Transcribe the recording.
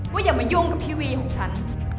อย่ามายุ่งกับทีวีของฉัน